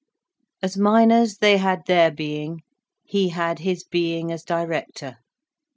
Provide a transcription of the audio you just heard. As miners they had their being, he had his being as director.